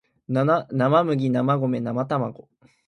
七生麦七生米七生卵